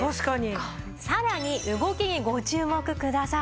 さらに動きにご注目ください。